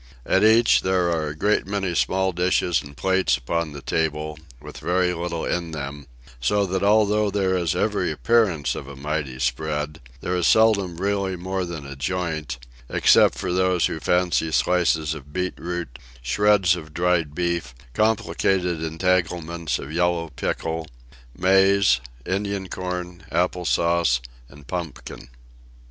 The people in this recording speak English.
At each, there are a great many small dishes and plates upon the table, with very little in them; so that although there is every appearance of a mighty 'spread,' there is seldom really more than a joint: except for those who fancy slices of beet root, shreds of dried beef, complicated entanglements of yellow pickle; maize, Indian corn, apple sauce, and pumpkin.